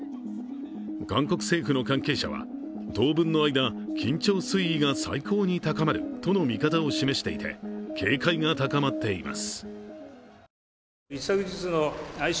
韓国政府の関係者は、当分の間、緊張水位が最高に高まるとの見方を示していて、警戒が高まっています。